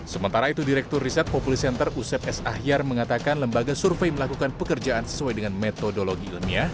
sementara itu direktur riset populi center usep s ahyar mengatakan lembaga survei melakukan pekerjaan sesuai dengan metodologi ilmiah